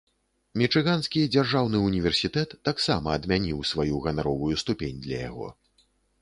Мічыганскі дзяржаўны ўніверсітэт таксама адмяніў сваю ганаровую ступень для яго.